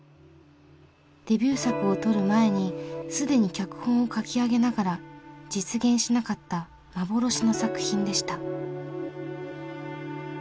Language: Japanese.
デビュー作を撮る前に既に脚本を書き上げながら実現しなかった「幻の作品」でした。